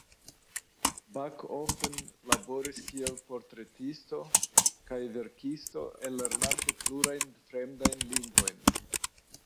Backofen laboris kiel portretisto kaj verkisto ellernante plurajn fremdajn lingvojn.